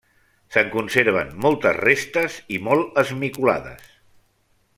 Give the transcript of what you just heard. Se'n conserven moltes restes, i molt esmicolades.